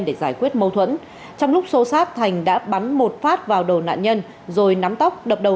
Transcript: để giải quyết mâu thuẫn trong lúc xô xát thành đã bắn một phát vào đầu nạn nhân rồi nắm tóc đập đầu